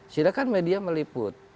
silakan media meliput